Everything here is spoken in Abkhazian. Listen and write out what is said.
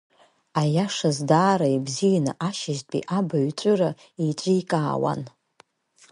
Аиашаз, даара ибзианы ашьыжьтәи абаҩрҵәыра еиҿикаауан.